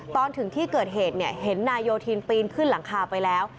ตอนถึงที่เกิดเหตุเห็นนายโยธินปีนขึ้นหลังคาไปแล้ว